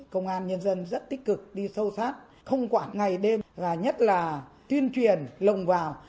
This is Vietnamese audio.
công an nhân dân rất tích cực đi sâu sát không quản ngày đêm và nhất là tuyên truyền lồng vào